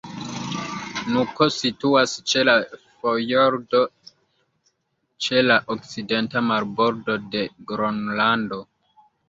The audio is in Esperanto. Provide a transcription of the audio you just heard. Nuko situas ĉe la fjordo ĉe la okcidenta marbordo de Gronlando.